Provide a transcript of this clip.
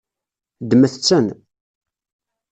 Ddmet-ten.